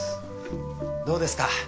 どうですか？